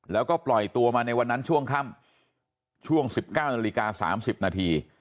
แล้วก็ปล่อยตัวมาในวันนั้นช่วงค่ำช่วง๑๙นาฬิกา๓๐นาที